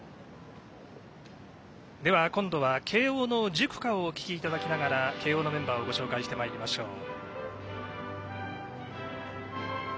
では今度は慶応の塾歌をお聴きいただきながら慶応のメンバーをご紹介してまいりましょう。